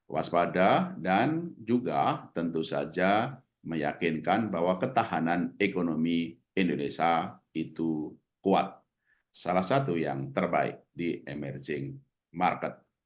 waspada dan juga tentu saja meyakinkan bahwa ketahanan ekonomi indonesia itu kuat salah satu yang terbaik di emerging market